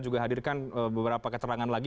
juga hadirkan beberapa keterangan lagi